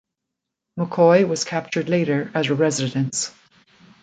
McCoy was captured later at a residence.